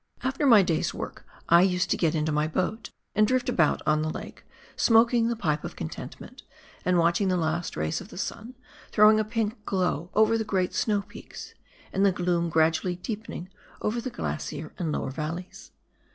After my day's work I used to get into my boat, and drift about ou the lake, smoking the pipe of contentment, and watch the last rays of the sun throwing a pink glow over the great snow peaks, and the gloom gradually deepening over the glacier and lower valleys.